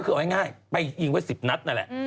อืมอิงวัด